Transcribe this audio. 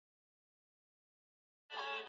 za mtu aliyetumia heroin